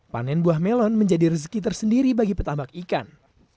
panen buah melon menjadi rezeki tersendiri bagi petambak ikan